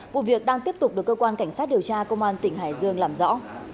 vụ việc đang tiếp tục được cơ quan cảnh sát điều tra công an tỉnh hải dương làm rõ